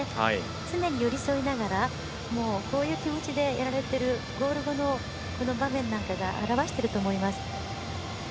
常に寄り添いながらこういう気持ちでやられてるゴール後の場面なんかが表していると思います。